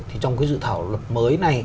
thì trong dự thảo luật mới này